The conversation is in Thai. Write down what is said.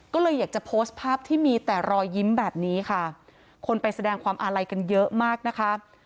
ก็เลยอยากจะโพสต์ภาพที่มีแต่รอยยิ้มแบบนี้ค่ะคนไปแสดงความอาลัยกันเยอะมากนะคะ